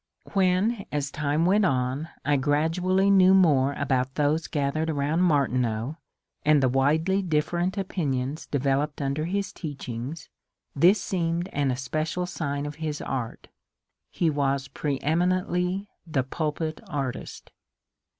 When, as time went on, I gradually knew more about those gathered around Martineau, and the widely different opinions developed under his teaching, this seemed an especial sign of his art. He was preeminently the pulpit artist.